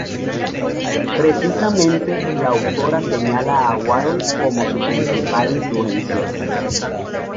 Precisamente, la autora señala a Warhol como su principal influencia.